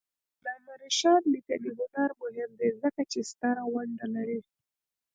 د علامه رشاد لیکنی هنر مهم دی ځکه چې ستره ونډه لري.